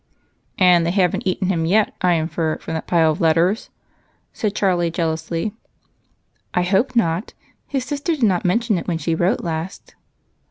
"And they haven't eaten him yet, I infer from the pile of letters?" said Charlie jealously. "I hope not. His sister did not mention it when she wrote last."